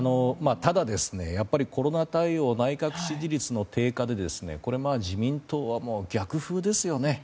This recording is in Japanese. ただ、やっぱりコロナ対応内閣支持率の低下でこれ自民党は逆風ですよね。